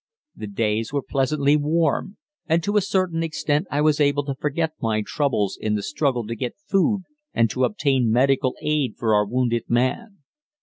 The days were pleasantly warm, and to a certain extent I was able to forget my troubles in the struggle to get food and to obtain medical aid for our wounded man.